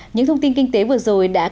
những thông tin kinh tế vừa rồi đã kết thúc